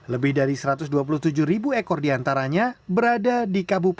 lebih dari satu ratus dua puluh tujuh ribu ekor diantaranya berada di kabupaten